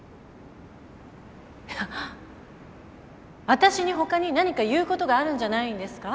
私に他に何か言うことがあるんじゃないんですか？